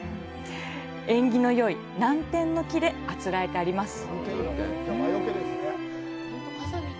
縁起のよいナンテンの木であつらえてあります。